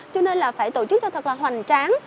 cho nên là phải tổ chức cho thật là hoành tráng